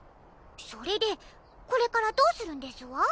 それでこれからどうするんですわ？